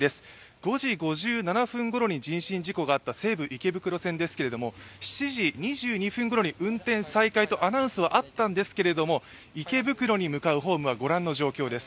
５時５７分頃に人身事故があった西武池袋線ですけど、７時２２分ごろに運転再開とアナウンスはあったんですけれども池袋に向かうホームは御覧の状況です。